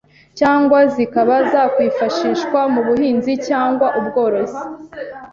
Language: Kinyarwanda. cyangwa zikaba zakwifashishwa mu buhinzi cyangwa ubworozi